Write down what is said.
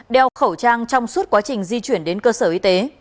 đeo khẩu trang trong suốt quá trình di chuyển đến cơ sở y tế